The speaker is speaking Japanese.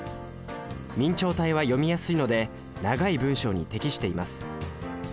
明朝体は読みやすいので長い文章に適しています。